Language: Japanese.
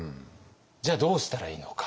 じゃあどうしたらいいのか？